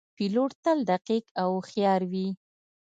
پیلوټ تل دقیق او هوښیار وي.